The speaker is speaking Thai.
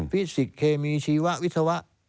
ฟิสิกส์เคมีชีวะวิทยาวะ